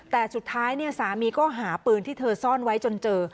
แต่สุดท้ายสามีก็หาปืนที่เธอซ่อนไว้จนเจอ